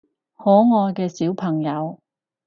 可愛嘅小朋友